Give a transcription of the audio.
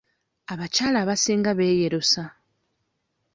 Abakyala abasinga beeyerusa.